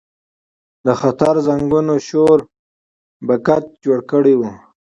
د خطر زنګونو شور بګت جوړ کړی و.